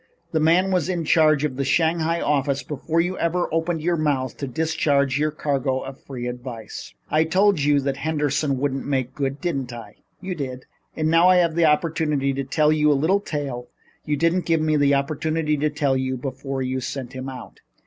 The man was in charge of the Shanghai office before you ever opened your mouth to discharge your cargo of free advice." "I told you then that Henderson wouldn't make good, didn't I?" "You did." "And now I have an opportunity to tell you the little tale you didn't give me an opportunity to tell you before you sent him out.